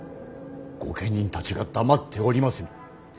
御家人たちが黙っておりませぬ。